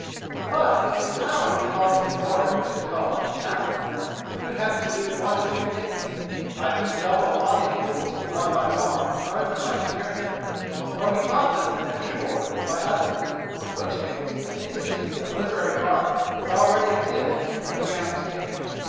But if his powers belonged to the order which is called talent, he would have to do one of two things: either stumble upon these rules one by one and learn them by experience or be taught them in their true order by others, in which case an Institute of Literary Art would already exist in an embryonic stage.